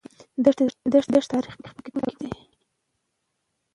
دښتې د تاریخ په کتابونو کې دي.